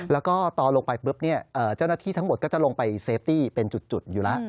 แล้วก็ตอนลงไปปุ๊บเจ้าหน้าที่ทั้งหมดก็จะลงไปเซฟตี้เป็นจุดอยู่แล้ว